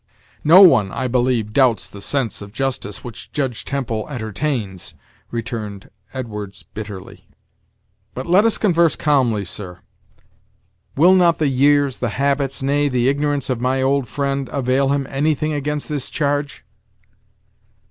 "No one, I believe, doubts the sense of justice which Judge Temple entertains!" returned Edwards bitterly. "But let us converse calmly, sir. Will not the years, the habits, nay, the ignorance of my old friend, avail him any thing against this charge?"